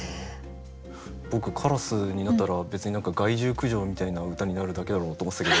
僕「カラス」になったら別に何か害獣駆除みたいな歌になるだけだろうと思ってたけど。